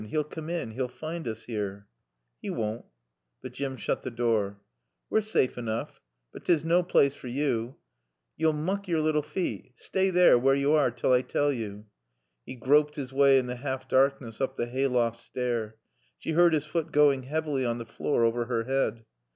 He'll come in. He'll find us here." "He wawn't." But Jim shut the door. "We're saafe enoof. But 'tis naw plaace for yo. Yo'll mook yore lil feet. Staay there where yo are tell I tall yo." He groped his way in the half darkness up the hay loft stair. She heard his foot going heavily on the floor over her head.